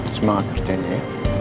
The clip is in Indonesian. semangat artjen ya